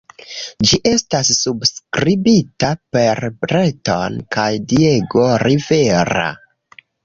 Ĝi estis subskribita per Breton kaj Diego Rivera.